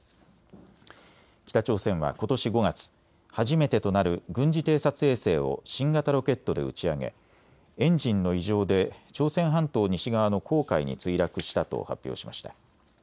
北朝鮮はことし５月、初めてとなる軍事偵察衛星を新型ロケットで打ち上げエンジンの異常で朝鮮半島西側の黄海に墜落したと発表しました。